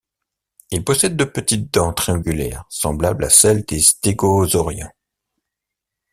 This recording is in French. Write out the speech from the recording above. Ils possèdent de petites dents triangulaires semblables à celles des stégosauriens.